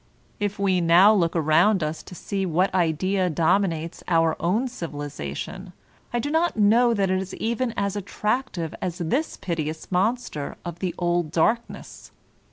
If now we look around us to see what idea dominates our own civilization, I do not know that it is even as attractive as this piteous monster of the old darkness.